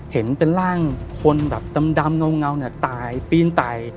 เห็นเป็นร่างคนแบบดำเงาเนี่ยตายปีนตาย